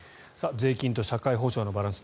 税金と社会保障のバランス。